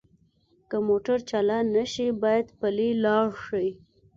که موټر چالان نه شي باید پلی لاړ شئ